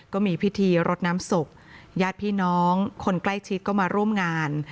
ก็มีพิธีรดน้ำศพญาติพี่น้องคนใกล้ชิดก็มาร่วมงาน